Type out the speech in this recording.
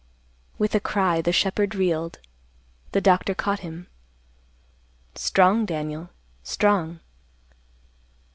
With a cry the shepherd reeled. The doctor caught him. "Strong, Daniel, strong."